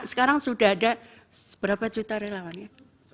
sekarang sudah ada berapa juta relawannya